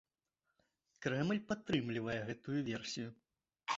Крэмль падтрымлівае гэтую версію.